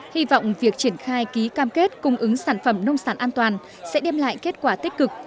hy vọng việc triển khai ký cam kết cung ứng sản phẩm nông sản an toàn sẽ đem lại kết quả tích cực